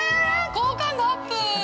好感度アップ！